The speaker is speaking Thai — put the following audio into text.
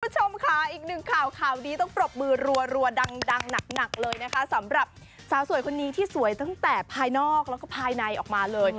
คุณผู้ชมค่ะอีกหนึ่งข่าวข่าวนี้ต้องปรบมือรัวดังหนักเลยนะคะสำหรับสาวสวยคนนี้ที่สวยตั้งแต่ภายนอกแล้วก็ภายในออกมาเลย